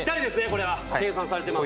これは計算されてます。